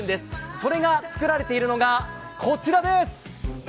それが作られているのが、こちらです。